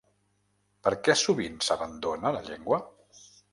Per què sovint s’abandona la llengua?